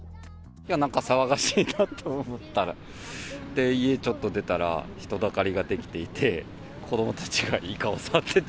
なんか騒がしいなと思ったら、家ちょっと出たら、人だかりが出来ていて、子どもたちがイカを触ってて。